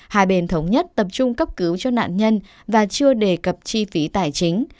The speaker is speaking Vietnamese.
hai bên thống nhất tập trung cấp cứu cho nạn nhân và chưa đề cập chi phí tài chính